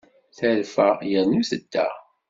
Terfa yernu tedda.